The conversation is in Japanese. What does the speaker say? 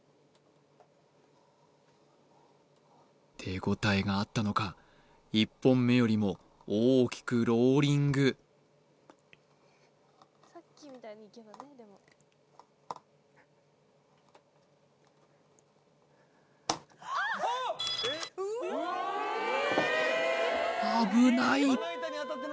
手応えがあったのか１本目よりも大きくローリング危ない！